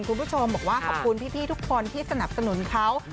คุณผู้ชมบอกว่าขอบคุณพี่ทุกคนที่สนับสนุนเขา